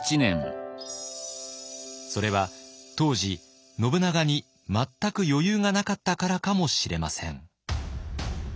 それは当時信長に全く余裕がなかったからかもしれません。